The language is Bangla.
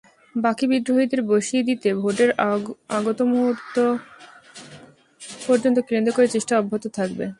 বাকি বিদ্রোহীদের বসিয়ে দিতে ভোটের আগমুহূর্ত পর্যন্ত কেন্দ্র থেকে চেষ্টা অব্যাহত থাকবে।